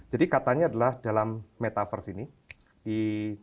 jadi katanya adalah dalam metaverse ini di dua ribu tiga puluh satu